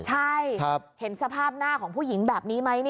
ใช่เห็นสภาพหน้าของผู้หญิงแบบนี้ไหม